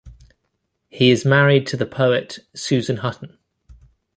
He is married to the poet Susan Hutton.